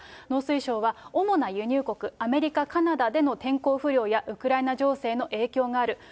農水省は、主な輸入国、アメリカ、カナダでの天候不良やウクライナ情勢の影響がある。